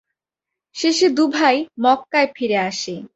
শেষে দুভাই মক্কায় ফিরে আসে।